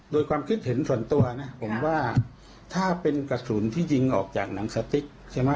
โดยความคิดเห็นส่วนตัวนะผมว่าถ้าเป็นกระสุนที่ยิงออกจากหนังสติ๊กใช่ไหม